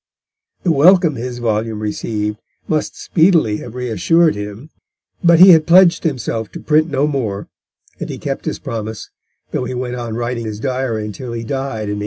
The welcome his volume received must speedily have reassured him, but he had pledged himself to print no more, and he kept his promise, though he went on writing his Diary until he died in 1825.